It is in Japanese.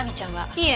いえ。